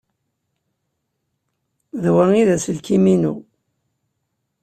D wa ay d aselkim-inu.